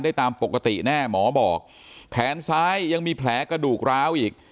ได้ตามปกติแน่หมอบอกแขนซ้ายยังมีแผลกระดูกร้าวอีก